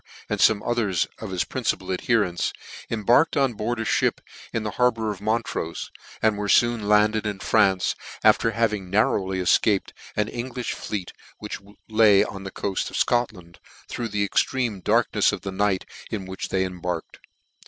and fome others of his principal adherents, cm barked on board a fhip in the harbour of Montrofe, and were foon landed in France, after having nar rowly efcaped an Englifli fleet which lay on the coaft of Scotland, through the extreme darknefs of the night in which they embarked.